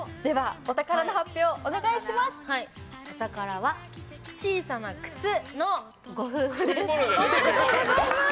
お宝は小さなくつのご夫婦です。